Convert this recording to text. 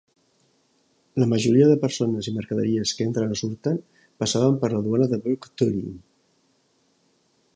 La majoria de persones i mercaderies que entren o surten passaven per la duana de Verkhoturye.